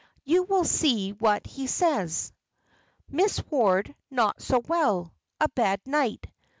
You will see what he says. "'Miss Ward not so well. A bad night.